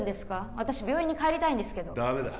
私病院に帰りたいんですけどダメだ